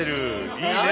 いいね。